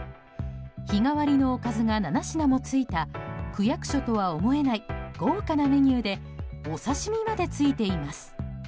日替わりのおかずが７品も付いた区役所とは思えない豪華なメニューでお刺身までついています。